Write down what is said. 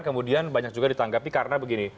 kemudian banyak juga ditanggapi karena begini